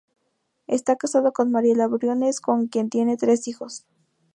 Está casado con Mariela Briones, con quien tiene tres hijos.